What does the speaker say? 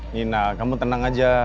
nina kamu tenang aja